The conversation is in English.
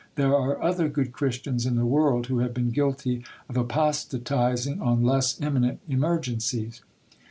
There are other good Christians in the world, who have been guilty of apostatizing on less imminent emergencies